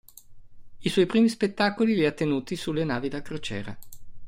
I suoi primi spettacoli li ha tenuti sulle navi da crociera.